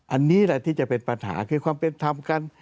อันนี้แหละที่จะเป็นปัญหาคือความเป็นธรรมกัน